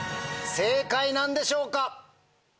正解なんでしょうか